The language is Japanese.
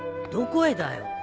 どこへだよ？